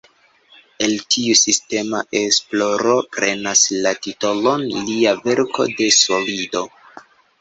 El tiu sistema esploro prenas la titolon lia verko "De solido".